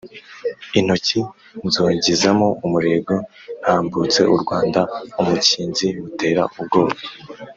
intoki nzongezamo umurego ntambutse Urwanda umukinzi mutera ubwoba